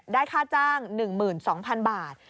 ค่าจ้าง๑๒๐๐๐บาท